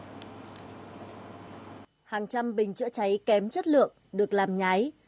hàng trăm bình chữa cháy kém chất lượng được làm nhái